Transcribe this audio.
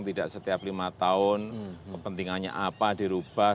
tidak setiap lima tahun kepentingannya apa dirubah